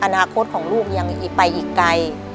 อนาคตของลูกยังไปอีกไกล